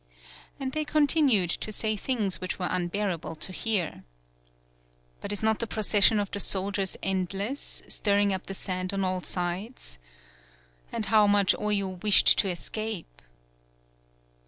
And they continued to say things which were unbearable to hear. But is not the procession of the soldiers endless, stirring up the sand on all sides? And how much Oyo wished to escape